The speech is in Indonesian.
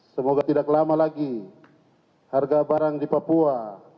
semoga tidak lama lagi harga barang di papua